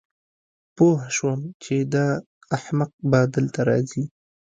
پوه شوم چې دا احمق به دلته راځي